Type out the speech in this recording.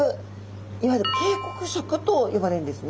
いわゆる警告色と呼ばれるんですね。